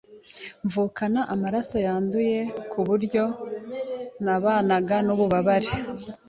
mvukana amaraso yanduye ku buryo nabanaga n’ububabare